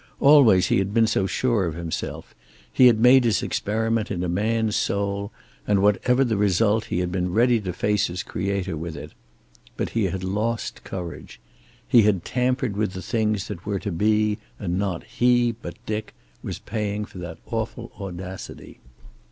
Always he had been so sure of himself; he had made his experiment in a man's soul, and whatever the result he had been ready to face his Creator with it. But he had lost courage. He had tampered with the things that were to be and not he, but Dick, was paying for that awful audacity.